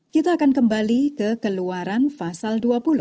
kita akan kembali ke keluaran fasal dua puluh